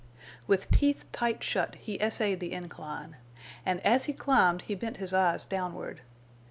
With teeth tight shut he essayed the incline. And as he climbed he bent his eyes downward.